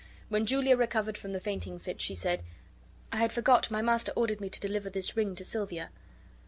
When Julia recovered from the fainting fit, she said: "I had forgot, my master ordered me to deliver this ring to Silvia."